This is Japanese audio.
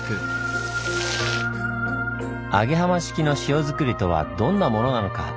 揚浜式の塩作りとはどんなものなのか？